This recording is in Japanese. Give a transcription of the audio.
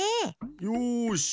よし！